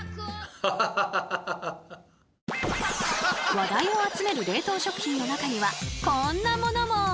話題を集める冷凍食品の中にはこんなものも！